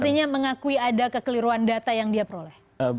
artinya mengakui ada kekeliruan data yang dia peroleh